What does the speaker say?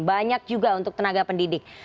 banyak juga untuk tenaga pendidik